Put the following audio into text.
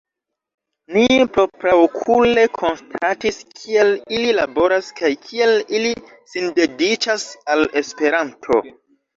Ni propraokule konstatis kiel ili laboras kaj kiel ili sindediĉas al Esperanto.